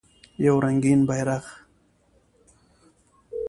یو رنګین بیرغ